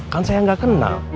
kan saya gak kenal